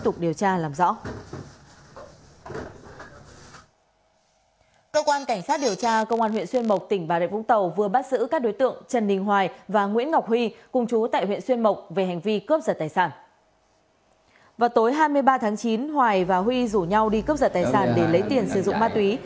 tối hai mươi ba tháng chín hoài và huy rủ nhau đi cướp giật tài sản để lấy tiền sử dụng ma túy